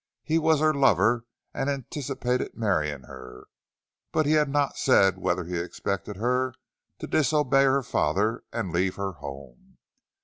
He was her lover and anticipated marrying her, but he had not said whether he expected her to disobey her father and leave her home.